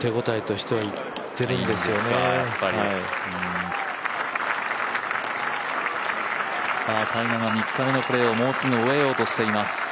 タイガーが３日目のプレーをもうすぐ終えようとしています。